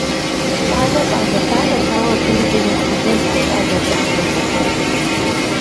Щӏалэр щӏалэ лъагэт, ауэ абы игу ирихь хъыджэбзыр щӏалэ кӏыхьт зылъыхъур.